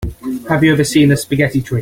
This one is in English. Have you ever seen a spaghetti tree?